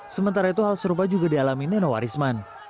sementara itu hal serupa juga dialami neno warisman